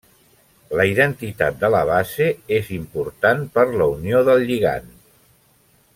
La identitat de la base és important per la unió del lligand.